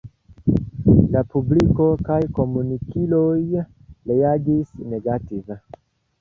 La publiko kaj komunikiloj reagis negative.